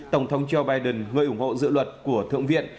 tổng thống joe biden người ủng hộ dự luật của thượng viện